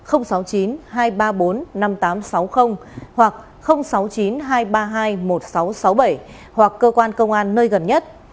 sáu mươi chín hai trăm ba mươi bốn năm nghìn tám trăm sáu mươi hoặc sáu mươi chín hai trăm ba mươi hai một nghìn sáu trăm sáu mươi bảy hoặc cơ quan công an nơi gần nhất